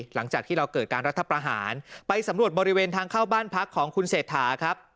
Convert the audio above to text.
หลังจากที่เราเกิดการรัฐประหารไปสำรวจบริเวณทางเข้าบ้านพักของคุณเศรษฐาครับ